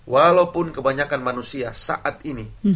walaupun kebanyakan manusia saat ini